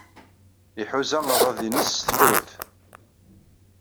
Iḥuza aḍad-nnes s tefrut.